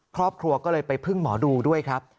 ครอบครัวก็เลยไปพึ่งหมอดูด้วยครับ